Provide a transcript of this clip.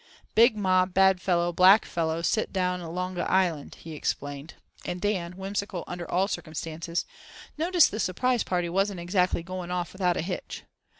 "Big mob bad fellow black fellow sit down longa island," he explained; and Dan, whimsical under all circumstances, "noticed the surprise party wasn't exactly going off without a hitch."